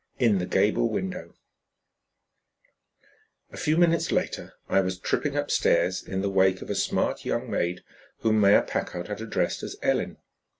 IN THE GABLE WINDOW A few minutes later I was tripping up stairs in the wake of a smart young maid whom Mayor Packard had addressed as Ellen.